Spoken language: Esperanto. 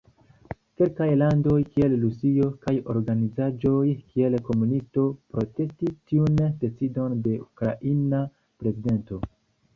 Kelkaj landoj, kiel Rusio, kaj organizaĵoj, kiel komunistoj, protestis tiun decidon de ukraina prezidento.